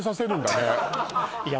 いや